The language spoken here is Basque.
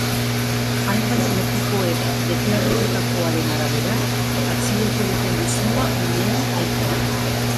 Hainbat lekukoek deklaratutakoaren arabera, atxilotu duten gizona umeen aita da.